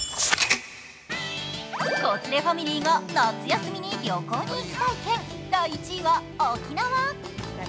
子連れファミリーが夏休みに旅行に行きたい県、第１位は沖縄。